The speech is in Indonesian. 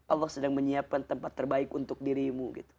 allah sedang menyiapkan tempat terbaik untuk dirimu gitu